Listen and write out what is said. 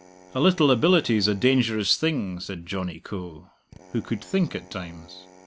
"A little ability's a dangerous thing," said Johnny Coe, who could think at times.